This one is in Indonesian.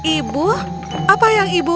ibu apa yang ibu